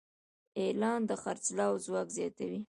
اعلان د خرڅلاو ځواک زیاتوي.